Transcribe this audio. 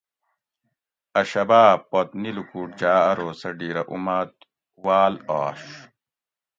اۤ شباۤ پت نی لوکوٹ جاۤ ارو سہ ڈِھیرہ اُمادواۤل آش